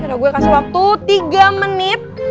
ya udah gua kasih waktu tiga menit